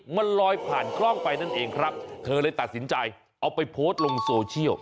มันลอยผ่านกล้องไปนั่นเองครับเธอเลยตัดสินใจเอาไปโพสต์ลงโซเชียล